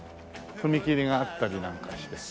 踏切があったりなんかして。